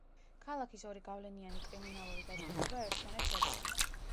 ქალაქის ორი გავლენიანი კრიმინალური დაჯგუფება ერთმანეთს ებრძვის.